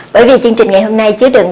bởi vì chương trình ngày hôm nay chứa đựng